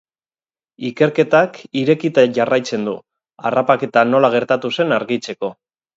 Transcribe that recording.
Ikerketak irekita jarraitzen du, harrapaketa nola gertatu zen argitzeko.